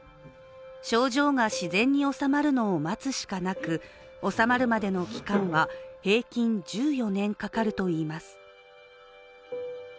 症状が自然に治まるのを待つしかなく治まるまでの期間は平均１４年かかるといいます。